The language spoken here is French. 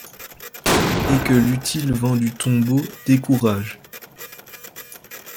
Et que l'utile vent du tombeau décourage